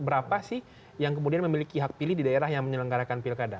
berapa sih yang kemudian memiliki hak pilih di daerah yang menyelenggarakan pilkada